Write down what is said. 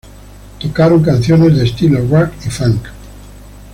Tocaron canciones de estilo Rock y Funk.